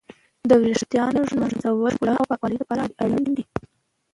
د ويښتانو ږمنځول د ښکلا او پاکوالي لپاره اړين دي.